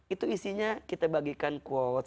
itu isinya kita bagikan quote